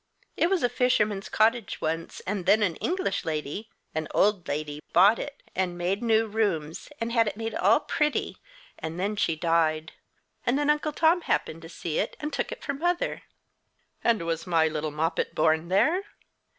It was a. fisherman's cottage once, and then an English lady an old lady bought it, and made new rooms, and had it all made pretty, and then she died; and then Uncle Tom happened to see it, and took it for mother." "And was my little Moppet born there?"